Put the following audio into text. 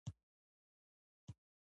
فریدګل پوښتنه وکړه چې اول مسکو ته ځو